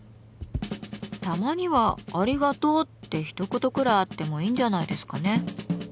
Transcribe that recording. たまには「ありがとう」ってひと言くらいあってもいいんじゃないですかね。